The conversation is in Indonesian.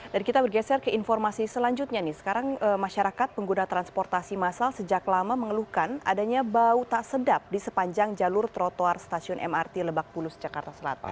dan kita bergeser ke informasi selanjutnya nih sekarang masyarakat pengguna transportasi masal sejak lama mengeluhkan adanya bau tak sedap di sepanjang jalur trotoar stasiun mrt lebak bulus jakarta selatan